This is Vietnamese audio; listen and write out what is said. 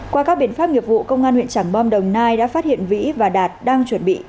qua các biện pháp nghiệp vụ công an huyện trảng bom đồng nai đã phát hiện vĩ và đạt đang chuẩn bị